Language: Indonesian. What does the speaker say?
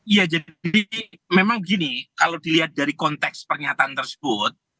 ya jadi memang gini kalau dilihat dari konteks pernyataan tersebut